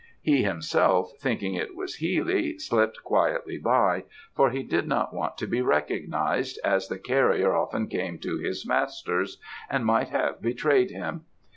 He himself, thinking it was Healy, slipt quietly by, for he did not want to be recognised, as the carrier often came to his master's, and might have betrayed him.